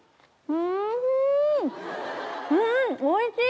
うんおいしい！